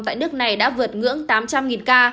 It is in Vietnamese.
tại nước này đã vượt ngưỡng tám trăm linh ca